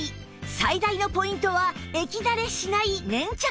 最大のポイントは液だれしない粘着力